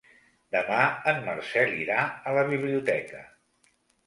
Demà en Marcel irà a la biblioteca.